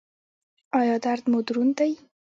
ایا درد مو دروند دی؟